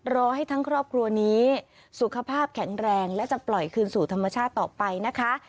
รอให้ทั้งครอบครัวนี้สุขภาพแข็งแรงและจะปล่อยคืนสู่ธรรมชาติต่อไปนะคะ